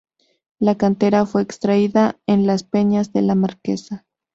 La cantera fue extraída de las peñas de La Marquesa.